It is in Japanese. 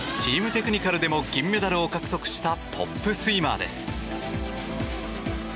テクニカルでも銀メダルを獲得したトップスイマーです。